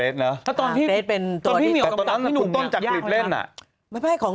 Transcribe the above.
จริงมีดังกว่าภาพใหส่